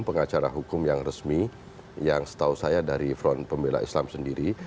pengacara hukum yang resmi yang setahu saya dari front pembela islam sendiri